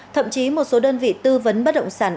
thậm chí một số đơn vị tư vấn bất động sản